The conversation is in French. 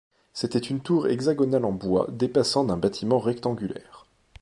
C'était une tour hexagonale en bois dépassant d'un bâtiment rectangulaire.